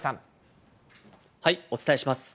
お伝えします。